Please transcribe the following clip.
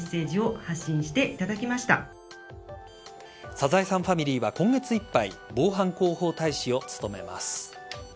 サザエさんファミリーは今月いっぱい防犯広報大使を務めます。